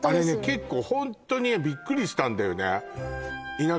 結構ホントにびっくりしたんだよね